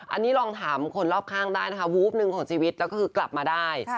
อันนี้ลองถามคนรอบข้างได้นะคะวูบหนึ่งของชีวิตแล้วก็คือกลับมาได้